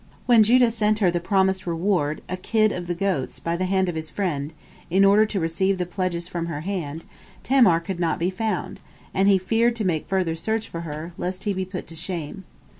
When Judah sent her the promised reward, a kid of the goats, by the hand of his friend, in order to receive the pledges from her hand, Tamar could not be found, and he feared to make further search for her, lest he be put to shame.